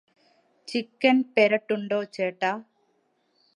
Chicken പെരെട്ടുണ്ടോ ചേട്ടാ.